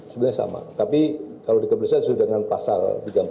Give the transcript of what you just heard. sebenarnya sama tapi kalau di kepolisian sesuai dengan pasal tiga ratus empat puluh